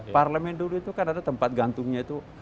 parlemen dulu itu kan ada tempat gantungnya itu